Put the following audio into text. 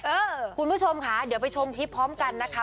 คุณผู้ชมค่ะเดี๋ยวไปชมคลิปพร้อมกันนะคะ